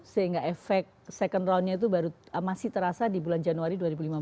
sehingga efek second roundnya itu masih terasa di bulan januari dua ribu lima belas